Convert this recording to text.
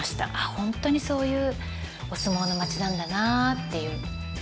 本当にそういうお相撲の町なんだなっていう。